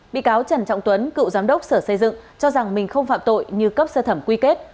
bị cáo trần trọng tuấn cựu giám đốc sở xây dựng cho rằng mình không phạm tội như cấp sơ thẩm quy kết